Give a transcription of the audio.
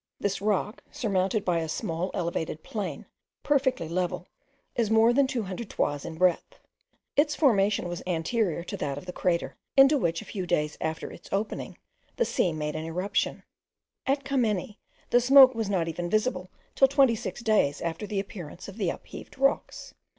This rock, surmounted by a small elevated plain perfectly level, is more than two hundred toises in breadth. Its formation was anterior to that of the crater, into which, a few days after its opening, the sea made an irruption. At Kameni, the smoke was not even visible till twenty six days after the appearance of the upheaved rocks.